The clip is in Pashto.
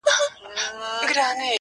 o کاروان تېرېږي، سپي غپېږي.